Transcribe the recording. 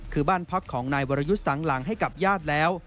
คือบ้านพักของนายวรยุทธ์สังหลังให้กับญาติแล้ว